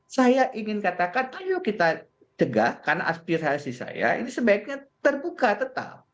saya ingin katakan ayo kita cegah karena aspirasi saya ini sebaiknya terbuka tetap